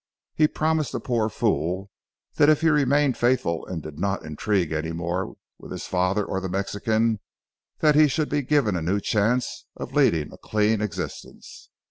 He promised the poor fool, that if he remained faithful and did not intrigue any more with his father or the Mexican, that he should be given a new chance of leading a clean existence.